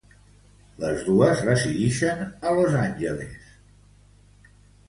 Les dos residixen a Los Angeles.